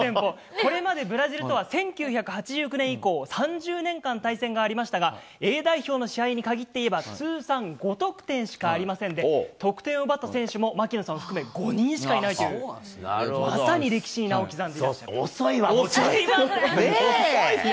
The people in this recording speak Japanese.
これまでブラジルとは１９８０年以降、３０年間対戦がありましたが、Ａ代表の試合に限って言えば、通算５得点しかありませんで、得点を奪った選手も、槙野さんを含め５人しかいないという、まさに歴史に名を刻んでい遅いわ。